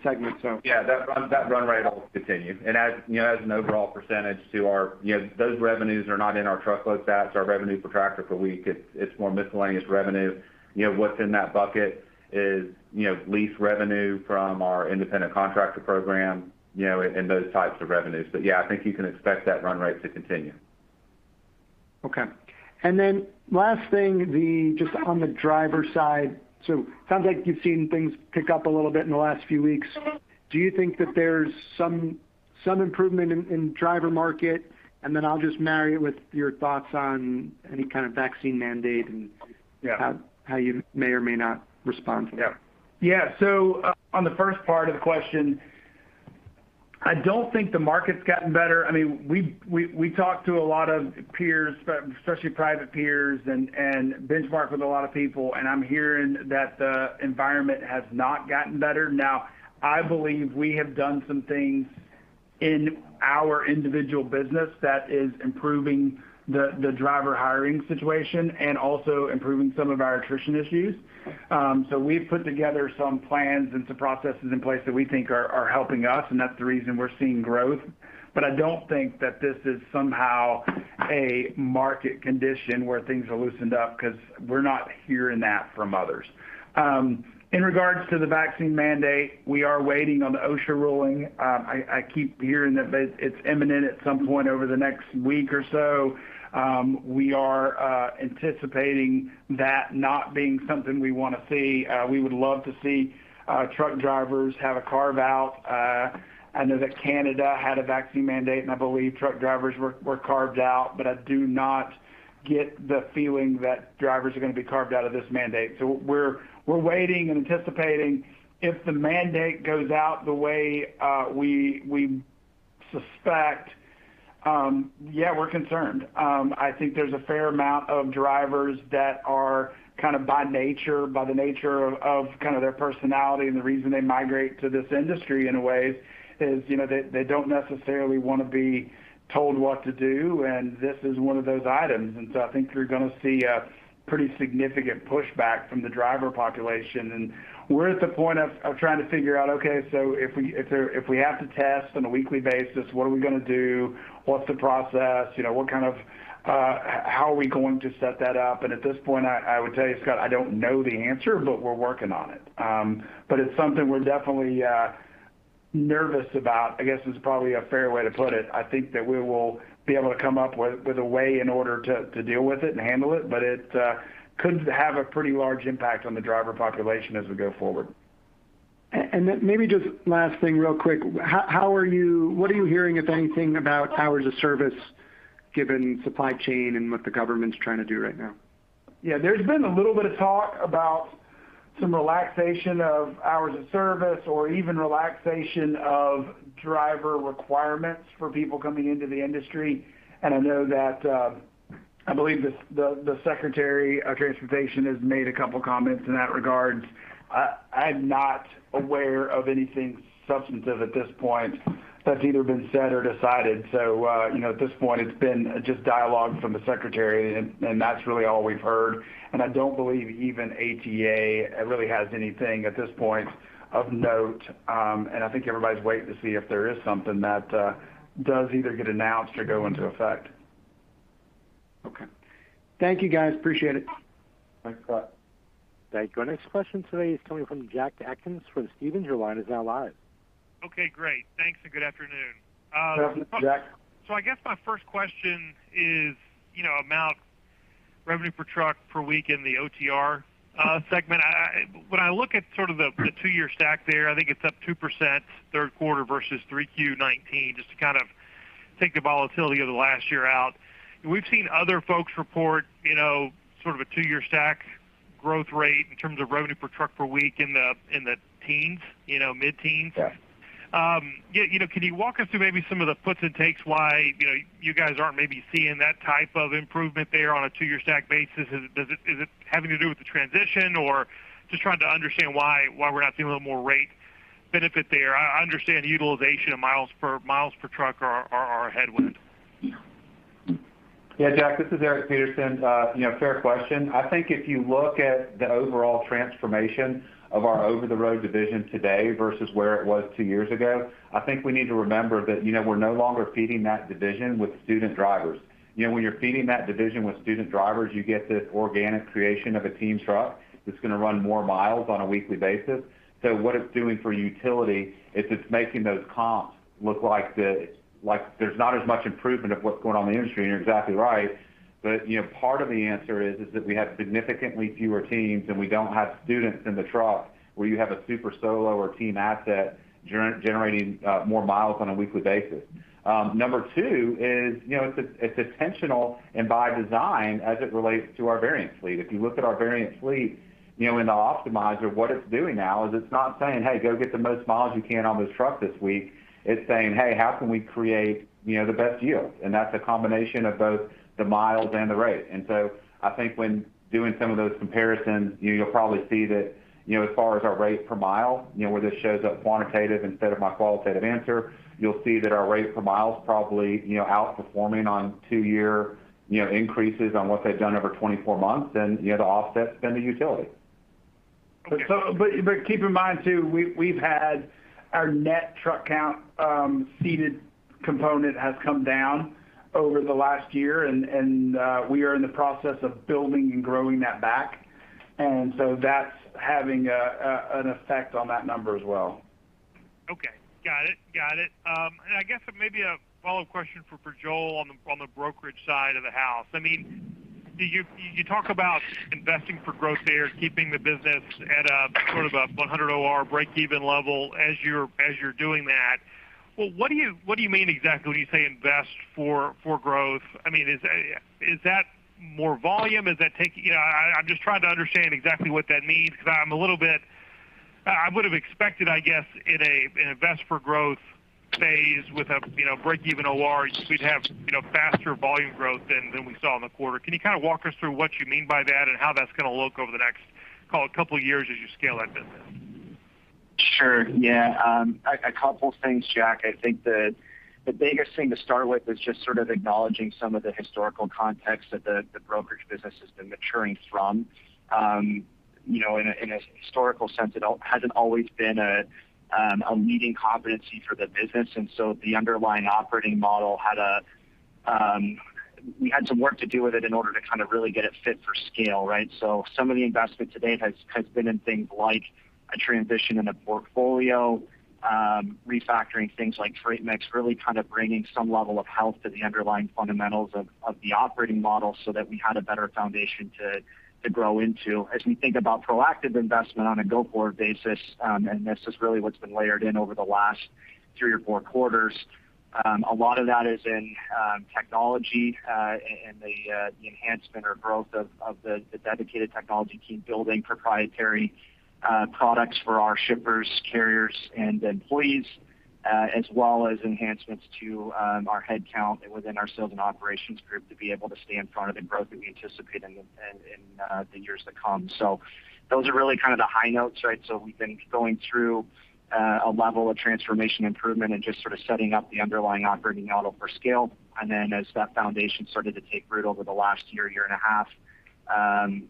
[SPEAKER 8] segment, so.
[SPEAKER 4] Yeah, that run rate will continue. Those revenues are not in our truckload stats or revenue per tractor per week. It's more miscellaneous revenue. What's in that bucket is lease revenue from our independent contractor program and those types of revenues. Yeah, I think you can expect that run rate to continue.
[SPEAKER 8] Okay. Last thing, just on the driver side. Sounds like you've seen things pick up a little bit in the last few weeks. Do you think that there's some improvement in driver market? I'll just marry it with your thoughts on any kind of vaccine mandate.
[SPEAKER 3] Yeah
[SPEAKER 8] how you may or may not respond to that.
[SPEAKER 3] Yeah. On the first part of the question, I don't think the market's gotten better. We talk to a lot of peers, especially private peers, and benchmark with a lot of people, and I'm hearing that the environment has not gotten better. Now, I believe we have done some things in our individual business that is improving the driver hiring situation and also improving some of our attrition issues. We've put together some plans and some processes in place that we think are helping us, and that's the reason we're seeing growth. I don't think that this is somehow a market condition where things are loosened up because we're not hearing that from others. In regards to the vaccine mandate, we are waiting on the OSHA ruling. I keep hearing that it's imminent at some point over the next week or so. We are anticipating that not being something we want to see. We would love to see truck drivers have a carve-out. I know that Canada had a vaccine mandate, and I believe truck drivers were carved out, but I do not get the feeling that drivers are going to be carved out of this mandate. We're waiting and anticipating if the mandate goes out the way we suspect. Yeah, we're concerned. I think there's a fair amount of drivers that are, by the nature of their personality and the reason they migrate to this industry in a way, is they don't necessarily want to be told what to do, and this is one of those items. I think you're going to see a pretty significant pushback from the driver population. We're at the point of trying to figure out, okay, so if we have to test on a weekly basis, what are we going to do? What's the process? How are we going to set that up? At this point, I would tell you, Scott, I don't know the answer, but we're working on it. It's something we're definitely nervous about, I guess is probably a fair way to put it. I think that we will be able to come up with a way in order to deal with it and handle it, but it could have a pretty large impact on the driver population as we go forward.
[SPEAKER 8] Maybe just last thing real quick. What are you hearing, if anything, about hours of service given supply chain and what the government's trying to do right now?
[SPEAKER 3] Yeah, there's been a little bit of talk about some relaxation of hours of service or even relaxation of driver requirements for people coming into the industry, and I believe the Secretary of Transportation has made a couple comments in that regard. I'm not aware of anything substantive at this point that's either been said or decided. At this point it's been just dialogue from the Secretary, and that's really all we've heard. I don't believe even ATA really has anything at this point of note. I think everybody's waiting to see if there is something that does either get announced or go into effect.
[SPEAKER 8] Okay. Thank you guys. Appreciate it.
[SPEAKER 3] Thanks, Scott.
[SPEAKER 1] Thank you. Our next question today is coming from Jack Atkins from Stephens. Your line is now live.
[SPEAKER 9] Okay, great. Thanks and good afternoon.
[SPEAKER 3] Good afternoon, Jack.
[SPEAKER 9] I guess my first question is about revenue per truck per week in the OTR segment. When I look at sort of the two-year stack there, I think it's up 2% third quarter versus third quarter 2019, just to kind of take the volatility of the last year out. We've seen other folks report sort of a two-year stack growth rate in terms of revenue per truck per week in the teens. Mid-teens.
[SPEAKER 3] Yeah.
[SPEAKER 9] Can you walk us through maybe some of the puts and takes why you guys aren't maybe seeing that type of improvement there on a two-year stack basis? Is it having to do with the transition? Just trying to understand why we're not seeing a little more rate benefit there. I understand utilization of miles per truck are ahead with.
[SPEAKER 4] Yeah, Jack, this is Eric Peterson. Fair question. I think if you look at the overall transformation of our Over-the-Road division today versus where it was two years ago, I think we need to remember that we're no longer feeding that division with student drivers. When you're feeding that division with student drivers, you get this organic creation of a team truck that's going to run more miles on a weekly basis. What it's doing for utility is it's making those comps look like there's not as much improvement of what's going on in the industry, and you're exactly right. Part of the answer is that we have significantly fewer teams, and we don't have students in the truck where you have a super solo or team asset generating more miles on a weekly basis. Number two is, it's intentional and by design as it relates to our Variant fleet. If you look at our Variant fleet in the Optimizer, what it's doing now is it's not saying, "Hey, go get the most miles you can on this truck this week." It's saying, "Hey, how can we create the best yield?" That's a combination of both the miles and the rate. I think when doing some of those comparisons, you'll probably see that as far as our rate per mile where this shows up quantitative instead of my qualitative answer. You'll see that our rate per mile is probably outperforming on two year increases on what they've done over 24 months. The offset has been the utility.
[SPEAKER 3] Keep in mind too, we've had our net truck count seated component has come down over the last year, and we are in the process of building and growing that back. That's having an effect on that number as well.
[SPEAKER 9] Okay. Got it. I guess maybe a follow-up question for Joel on the brokerage side of the house. You talk about investing for growth there, keeping the business at a sort of a 100 OR break-even level as you're doing that. Well, what do you mean exactly when you say invest for growth? Is that more volume? I'm just trying to understand exactly what that means because I would've expected, I guess, in an invest for growth phase with a break-even OR, we'd have faster volume growth than we saw in the quarter. Can you kind of walk us through what you mean by that and how that's going to look over the next, call it a couple years as you scale that business?
[SPEAKER 6] Sure. Yeah. A couple things, Jack. I think the biggest thing to start with is just sort of acknowledging some of the historical context that the brokerage business has been maturing from. In a historical sense, it hasn't always been a leading competency for the business. The underlying operating model, we had some work to do with it in order to kind of really get it fit for scale, right? Some of the investment to date has been in things like a transition in a portfolio, refactoring things like freight mix, really kind of bringing some level of health to the underlying fundamentals of the operating model so that we had a better foundation to grow into. As we think about proactive investment on a go-forward basis, and this is really what's been layered in over the last three or four quarters. A lot of that is in technology, and the enhancement or growth of the dedicated technology team building proprietary products for our shippers, carriers, and employees. As well as enhancements to our headcount within our sales and operations group to be able to stay in front of the growth that we anticipate in the years to come. Those are really the high notes. We've been going through a level of transformation improvement and just sort of setting up the underlying operating model for scale. As that foundation started to take root over the last year and a half,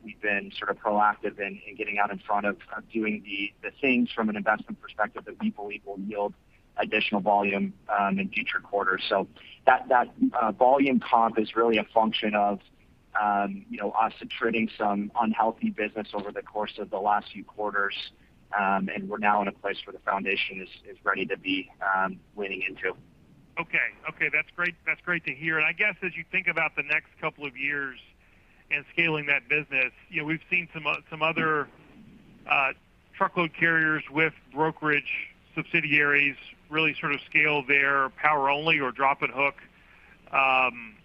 [SPEAKER 6] we've been proactive in getting out in front of doing the things from an investment perspective that we believe will yield additional volume in future quarters. That volume comp is really a function of us attriting some unhealthy business over the course of the last few quarters, and we're now in a place where the foundation is ready to be leaning into.
[SPEAKER 9] Okay. That's great to hear. I guess as you think about the next couple of years and scaling that business, we've seen some other truckload carriers with brokerage subsidiaries really sort of scale their power only or drop and hook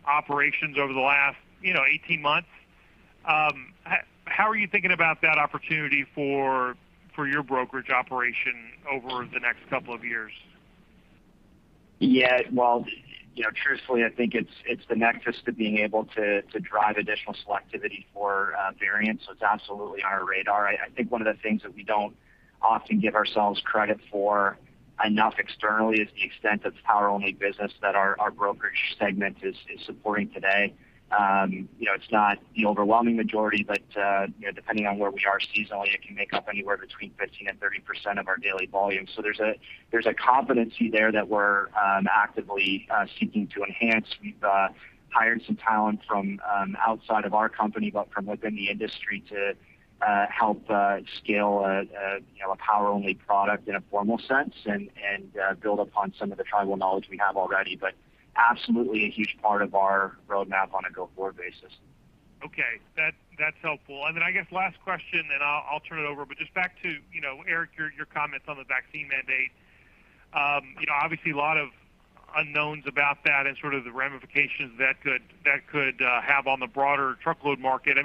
[SPEAKER 9] operations over the last 18 months. How are you thinking about that opportunity for your brokerage operation over the next couple of years?
[SPEAKER 6] Yeah. Well, truthfully, I think it's the nexus to being able to drive additional selectivity for Variant. It's absolutely on our radar. I think one of the things that we don't often give ourselves credit for enough externally is the extent of power only business that our brokerage segment is supporting today. It's not the overwhelming majority, but depending on where we are seasonally, it can make up anywhere between 15% and 30% of our daily volume. There's a competency there that we're actively seeking to enhance. We've hired some talent from outside of our company, but from within the industry to help scale a power only product in a formal sense and build upon some of the tribal knowledge we have already. Absolutely a huge part of our roadmap on a go-forward basis.
[SPEAKER 9] Okay. That's helpful. Then I guess last question, and then I'll turn it over. Just back to Eric, your comments on the vaccine mandate. Obviously, a lot of unknowns about that and sort of the ramifications that could have on the broader truckload market.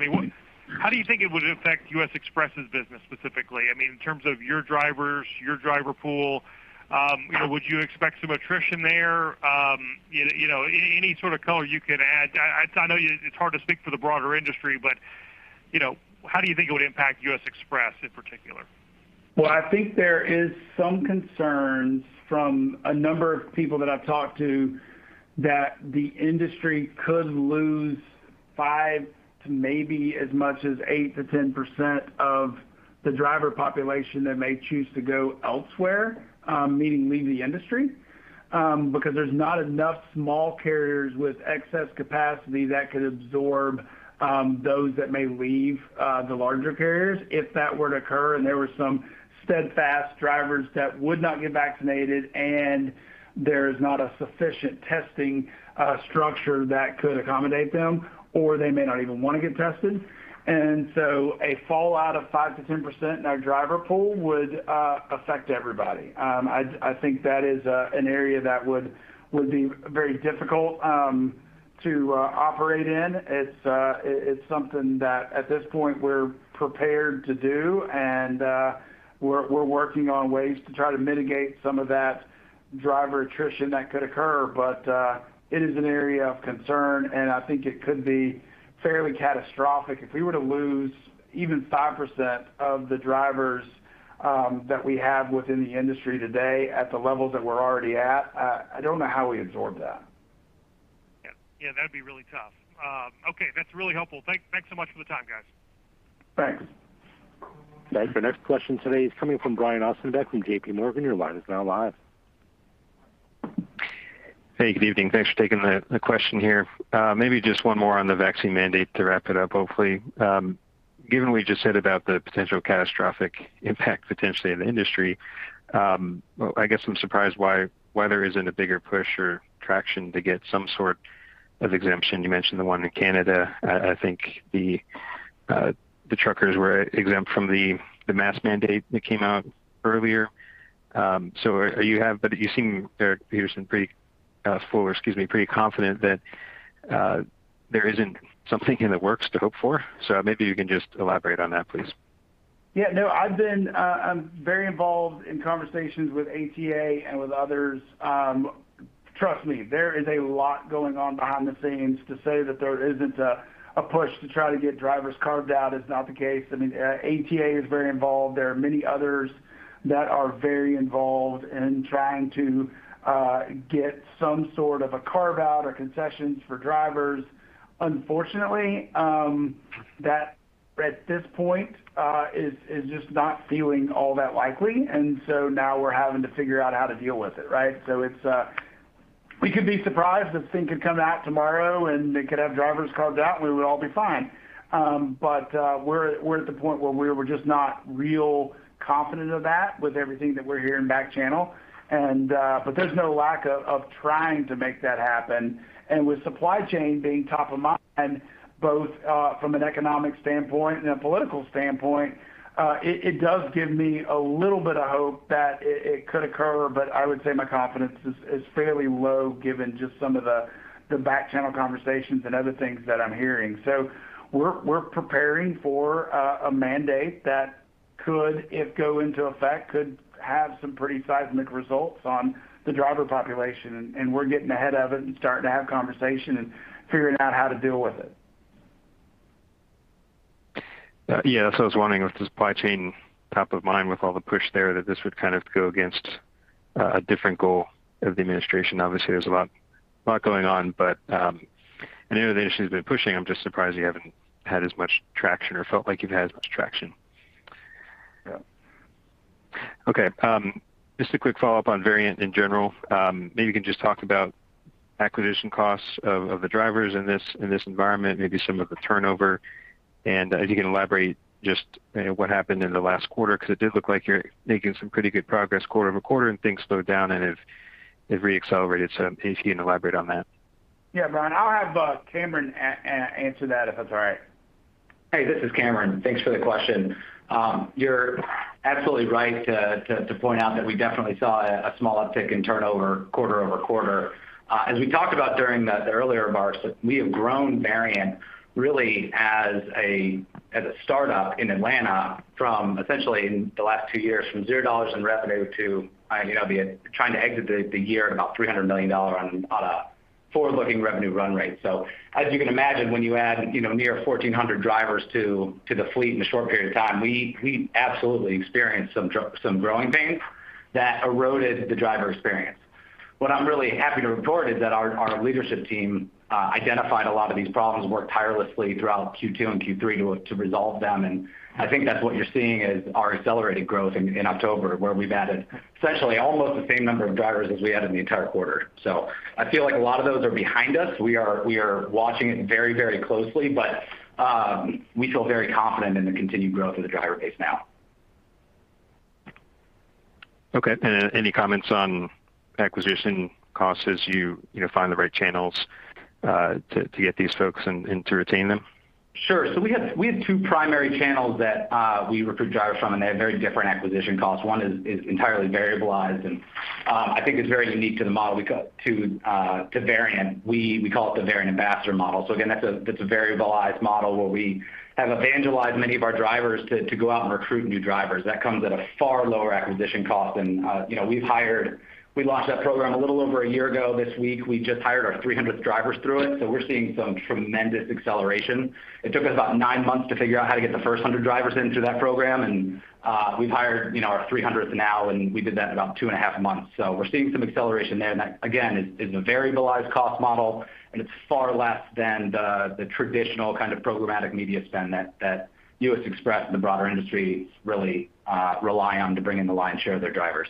[SPEAKER 9] How do you think it would affect U.S. Xpress's business specifically? In terms of your drivers, your driver pool, would you expect some attrition there? Any sort of color you could add. I know it's hard to speak for the broader industry, but how do you think it would impact U.S. Xpress in particular?
[SPEAKER 3] Well, I think there is some concerns from a number of people that I've talked to that the industry could lose 5% to maybe as much as 8%-10% of the driver population that may choose to go elsewhere, meaning leave the industry, because there's not enough small carriers with excess capacity that could absorb those that may leave the larger carriers if that were to occur, and there were some steadfast drivers that would not get vaccinated, and there's not a sufficient testing structure that could accommodate them, or they may not even want to get tested. A fallout of 5%-10% in our driver pool would affect everybody. I think that is an area that would be very difficult to operate in. It's something that at this point we're prepared to do, we're working on ways to try to mitigate some of that driver attrition that could occur. It is an area of concern, and I think it could be fairly catastrophic if we were to lose even 5% of the drivers that we have within the industry today at the levels that we're already at. I don't know how we absorb that.
[SPEAKER 9] Yeah. That'd be really tough. Okay. That's really helpful. Thanks so much for the time, guys.
[SPEAKER 3] Thanks.
[SPEAKER 6] Thanks.
[SPEAKER 1] The next question today is coming from Brian Ossenbeck from JP Morgan. Your line is now live.
[SPEAKER 10] Hey, good evening. Thanks for taking the question here. Maybe just one more on the vaccine mandate to wrap it up, hopefully. Given what you just said about the potential catastrophic impact potentially of the industry, I guess I'm surprised why there isn't a bigger push or traction to get some sort of exemption. You mentioned the one in Canada. I think the truckers were exempt from the mask mandate that came out earlier. You seem, Eric Peterson, pretty confident that there isn't something in the works to hope for. Maybe you can just elaborate on that, please.
[SPEAKER 3] No, I'm very involved in conversations with ATA and with others. Trust me, there is a lot going on behind the scenes. To say that there isn't a push to try to get drivers carved out is not the case. ATA is very involved. There are many others that are very involved in trying to get some sort of a carve-out or concessions for drivers. Unfortunately, that at this point is just not feeling all that likely, and so now we're having to figure out how to deal with it. We could be surprised if something could come out tomorrow and it could have drivers carved out, and we would all be fine. We're at the point where we're just not real confident of that with everything that we're hearing back channel. There's no lack of trying to make that happen. With supply chain being top of mind, both from an economic standpoint and a political standpoint, it does give me a little bit of hope that it could occur, but I would say my confidence is fairly low given just some of the back-channel conversations and other things that I'm hearing. We're preparing for a mandate that. Could, if go into effect, could have some pretty seismic results on the driver population. We're getting ahead of it and starting to have conversation and figuring out how to deal with it.
[SPEAKER 10] That's what I was wondering, with the supply chain top of mind with all the push there, that this would go against a different goal of the Administration. Obviously, there's a lot going on, but I know the Administration's been pushing. I'm just surprised you haven't had as much traction or felt like you've had as much traction.
[SPEAKER 3] Yeah.
[SPEAKER 10] Okay. Just a quick follow-up on Variant in general. Maybe you can just talk about acquisition costs of the drivers in this environment, maybe some of the turnover. If you can elaborate just what happened in the last quarter, because it did look like you were making some pretty good progress quarter-over-quarter and things slowed down and have re-accelerated. If you can elaborate on that.
[SPEAKER 3] Yeah, Brian. I'll have Cameron answer that, if that's all right?
[SPEAKER 11] Hey, this is Cameron. Thanks for the question. You're absolutely right to point out that we definitely saw a small uptick in turnover quarter-over-quarter. As we talked about during the earlier marks, we have grown Variant really as a startup in Atlanta from essentially in the last two years from $0 in revenue to trying to exit the year at about $300 million on a forward-looking revenue run rate. As you can imagine, when you add near 1,400 drivers to the fleet in a short period of time, we absolutely experienced some growing pains that eroded the driver experience. What I'm really happy to report is that our leadership team identified a lot of these problems and worked tirelessly throughout Q2 and Q3 to resolve them. I think that's what you're seeing as our accelerated growth in October, where we've added essentially almost the same number of drivers as we had in the entire quarter. I feel like a lot of those are behind us. We are watching it very closely, but we feel very confident in the continued growth of the driver base now.
[SPEAKER 10] Okay. Any comments on acquisition costs as you find the right channels to get these folks and to retain them?
[SPEAKER 11] Sure. We have two primary channels that we recruit drivers from, and they have very different acquisition costs. One is entirely variabilized, and I think it's very unique to Variant. We call it the Variant ambassador model. Again, that's a variabilized model where we have evangelized many of our drivers to go out and recruit new drivers. That comes at a far lower acquisition cost than, we launched that program a little over a year ago this week. We just hired our 300th driver through it, so we're seeing some tremendous acceleration. It took us about nine months to figure out how to get the first 100 drivers into that program, and we've hired our 300th now, and we did that in about two and a half months. We're seeing some acceleration there, and that, again, is a variabilized cost model, and it's far less than the traditional kind of programmatic media spend that U.S. Xpress and the broader industry really rely on to bring in the lion's share of their drivers.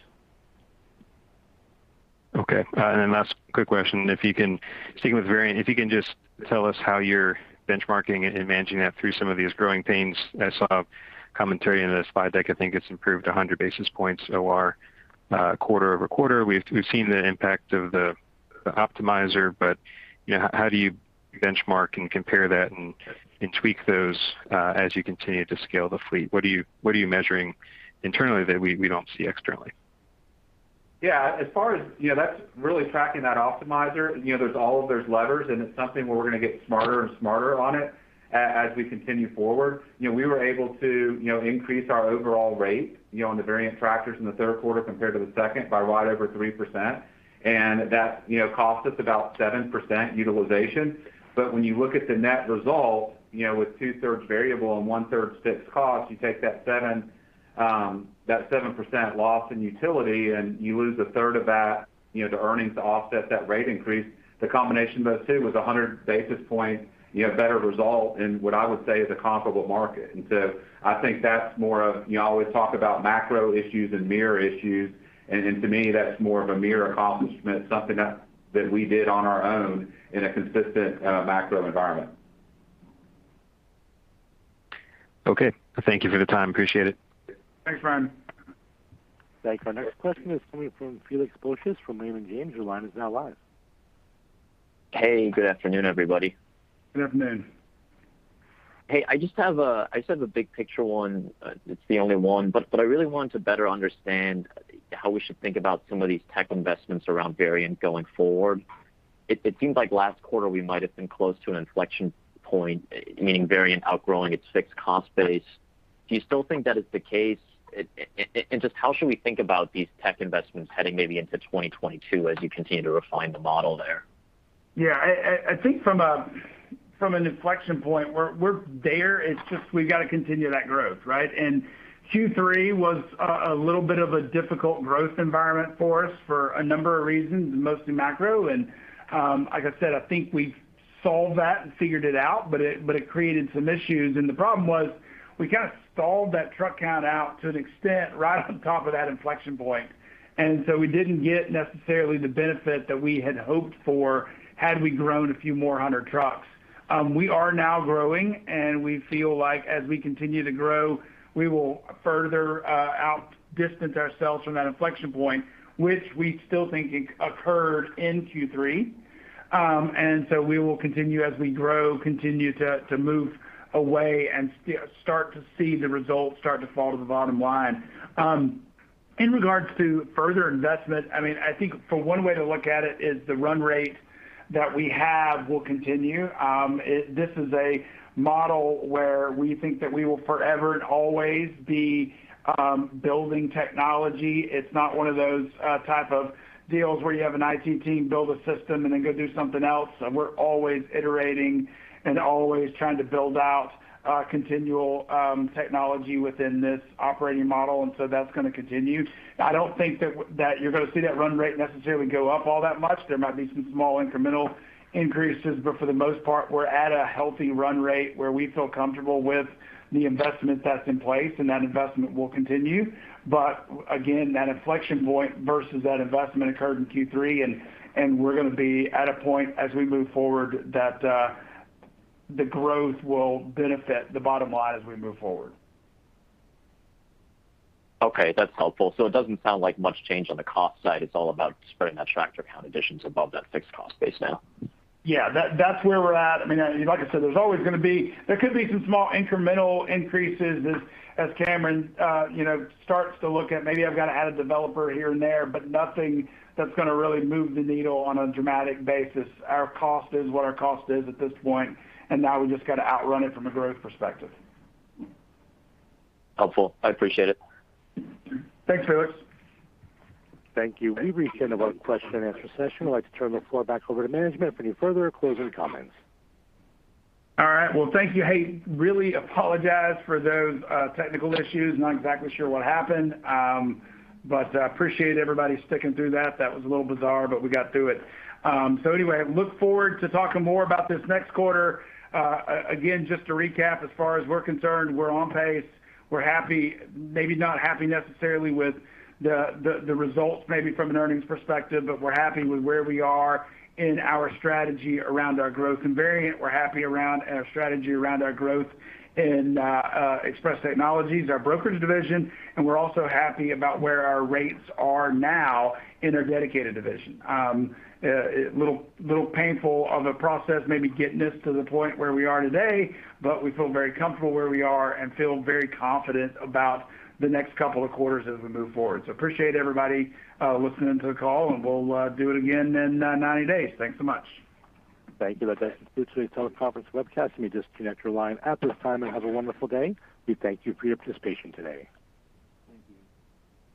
[SPEAKER 10] Okay. Last quick question. Sticking with Variant, if you can just tell us how you're benchmarking and managing that through some of these growing pains. I saw commentary in the slide deck, I think it's improved 100 basis points OR quarter-over-quarter. We've seen the impact of the Optimizer. How do you benchmark and compare that and tweak those as you continue to scale the fleet? What are you measuring internally that we don't see externally?
[SPEAKER 4] Yeah. That's really tracking that Optimizer. There's all of those levers, and it's something where we're going to get smarter and smarter on it as we continue forward. We were able to increase our overall rate on the Variant tractors in the third quarter compared to the second by right over 3%, and that cost us about 7% utilization. But when you look at the net result, with 2/3 variable and 1/3 fixed cost, you take that 7% loss in utility and you lose 1/3 of that, the earnings to offset that rate increase. The combination of those two was 100 basis point better result in what I would say is a comparable market. I think that's more of, you always talk about macro issues and mirror issues, and to me, that's more of a mirror accomplishment, something that we did on our own in a consistent macro environment.
[SPEAKER 10] Okay. Thank you for the time. Appreciate it.
[SPEAKER 4] Thanks, Brian.
[SPEAKER 1] Thanks. Our next question is coming from Felix Boeschen from Raymond James.
[SPEAKER 12] Hey. Good afternoon, everybody.
[SPEAKER 3] Good afternoon.
[SPEAKER 12] Hey, I just have a big picture one. It's the only one. What I really want to better understand how we should think about some of these tech investments around Variant going forward. It seemed like last quarter we might have been close to an inflection point, meaning Variant outgrowing its fixed cost base. Do you still think that is the case? Just how should we think about these tech investments heading maybe into 2022 as you continue to refine the model there?
[SPEAKER 3] Yeah. I think from an inflection point, we're there. It's just we've got to continue that growth, right? Q3 was a little bit of a difficult growth environment for us for a number of reasons, mostly macro, and like I said, I think we've solved that and figured it out, but it created some issues. The problem was we kind of stalled that truck count out to an extent right on top of that inflection point. We didn't get necessarily the benefit that we had hoped for had we grown a few more hundred trucks. We are now growing, and we feel like as we continue to grow, we will further outdistance ourselves from that inflection point, which we still think occurred in Q3. We will continue as we grow, continue to move away and start to see the results start to fall to the bottom line. In regards to further investment, I think one way to look at it is the run rate that we have will continue. This is a model where we think that we will forever and always be building technology. It's not one of those type of deals where you have an IT team build a system and then go do something else. We're always iterating and always trying to build out continual technology within this operating model. That's going to continue. I don't think that you're going to see that run rate necessarily go up all that much. There might be some small incremental increases. For the most part, we're at a healthy run rate where we feel comfortable with the investment that's in place, and that investment will continue. Again, that inflection point versus that investment occurred in Q3, and we're going to be at a point as we move forward that the growth will benefit the bottom line as we move forward.
[SPEAKER 12] Okay, that's helpful. It doesn't sound like much change on the cost side. It's all about spreading that tractor count additions above that fixed cost base now.
[SPEAKER 3] Yeah, that's where we're at. Like I said, there could be some small incremental increases as Cameron starts to look at maybe I've got to add a developer here and there, nothing that's going to really move the needle on a dramatic basis. Our cost is what our cost is at this point, now we've just got to outrun it from a growth perspective.
[SPEAKER 12] Helpful. I appreciate it.
[SPEAKER 3] Thanks, Felix.
[SPEAKER 1] Thank you. We've reached the end of our question-and-answer session. I'd like to turn the floor back over to management for any further closing comments.
[SPEAKER 3] All right. Well, thank you. Hey, really apologize for those technical issues. Not exactly sure what happened. Appreciate everybody sticking through that. That was a little bizarre, but we got through it. Anyway, look forward to talking more about this next quarter. Again, just to recap, as far as we're concerned, we're on pace. We're happy. Maybe not happy necessarily with the results maybe from an earnings perspective, but we're happy with where we are in our strategy around our growth in Variant. We're happy around our strategy around our growth in Xpress Technologies, our brokerage division, and we're also happy about where our rates are now in our Dedicated division. Little painful of a process maybe getting us to the point where we are today, but we feel very comfortable where we are and feel very confident about the next couple of quarters as we move forward. Appreciate everybody listening to the call, and we'll do it again in 90 days. Thanks so much.
[SPEAKER 1] Thank you. That concludes today's teleconference webcast. You may disconnect your line at this time, and have a wonderful day. We thank you for your participation today.
[SPEAKER 3] Thank you.